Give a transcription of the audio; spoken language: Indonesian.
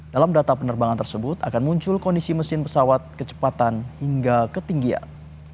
dalam data penerbangan tersebut akan muncul kondisi mesin pesawat kecepatan hingga ketinggian